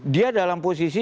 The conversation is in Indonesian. dia dalam posisi